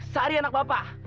sari anak bapak